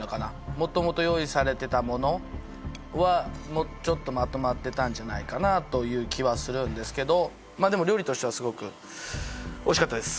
もともと用意されてたものはもうちょっとまとまってたんじゃないかなという気はするんですけどまあでも料理としてはすごくおいしかったです